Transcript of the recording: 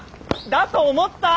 だと思った！